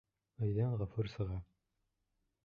Өйҙән Ғәфүр сыға.